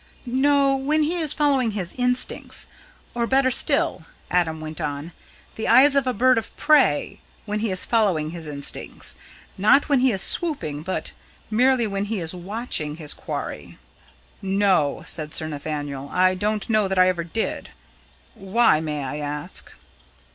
"No, when he is following his instincts! Or, better still," Adam went on, "the eyes of a bird of prey when he is following his instincts. Not when he is swooping, but merely when he is watching his quarry?" "No," said Sir Nathaniel, "I don't know that I ever did. Why, may I ask?"